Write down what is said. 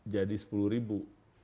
jadi sepuluh ribu